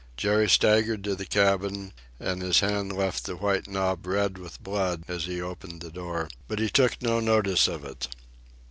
Jerry staggered to the cabin, and his hand left the white knob red with blood as he opened the door, but he took no notice of it.